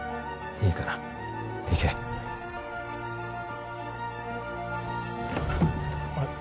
いいから行けあれ？